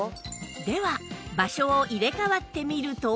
では場所を入れ替わってみると